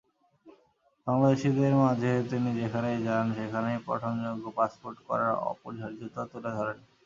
বাংলাদেশিদের মাঝে তিনি যেখানেই যান সেখানেই পঠনযোগ্য পাসপোর্ট করার অপরিহার্যতা তুলে ধরেন।